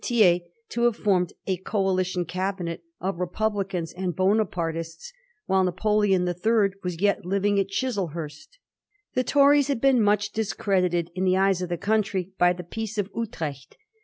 Thiers to have formed a Coalition Cabinet of Repub licans and of Bonapartists, while Napoleon the Third was yet living at Chislehurst. The Tories had been much discredited in the eyes of the country by the Peace of Utrecht.